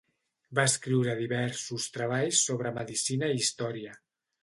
Va escriure diversos treballs sobre medicina i història.